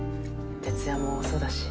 徹夜も多そうだし。